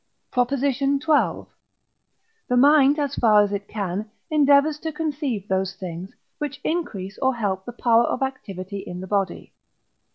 PROP. XII. The mind, as far as it can, endeavours to conceive those things, which increase or help the power of activity in the body.